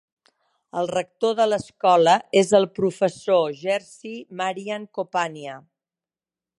El rector de l'escola és el professor Jerzy Marian Kopania.